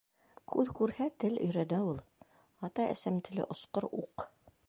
Күҙ күрһә, тел өйрәнә ул. Атам-әсәм теле — осҡор уҡ.